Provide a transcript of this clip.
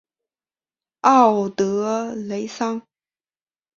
奥德雷桑。